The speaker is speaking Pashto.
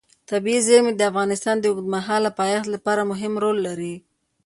طبیعي زیرمې د افغانستان د اوږدمهاله پایښت لپاره مهم رول لري.